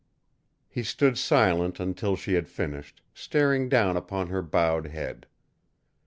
He stood silent until she had finished, staring down upon her bowed head.